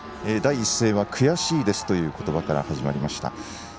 第一声は、悔しいですという言葉から始まりました。